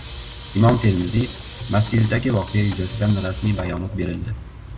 "Imom Termiziy" masjididagi voqea yuzasidan rasmiy bayonot berildi